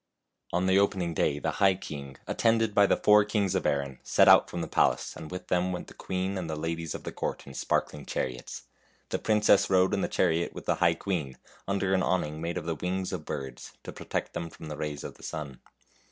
On the opening day the High King, attended by the four kings of Erin, set out from the palace, and with them went the queen and the ladies of the court in sparkling chariots. The princess rode in the chariot with the High Queen, under an awning made of the wings of birds, to protect them from the rays of the sun.